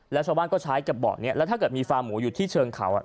แล้วชาวบ้านก็ใช้กับเบาะนี้แล้วถ้าเกิดมีฟาร์หมูอยู่ที่เชิงเขา